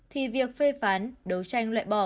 thì việc phê phán đấu tranh lệ bỏ